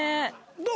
どう？